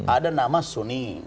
ada nama suni